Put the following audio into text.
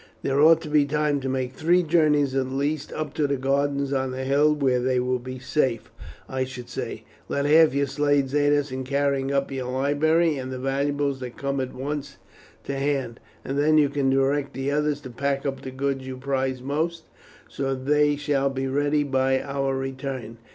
There ought to be time to make three journeys at least up to the gardens on the hill, where they will be safe. I should say, let half your slaves aid us in carrying up your library and the valuables that come at once to hand, and then you can direct the others to pack up the goods you prize most so that they shall be ready by our return."